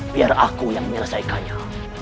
biar aku yang merasa ikannya